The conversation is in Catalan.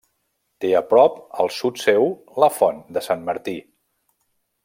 Té a prop al sud seu la Font de Sant Martí.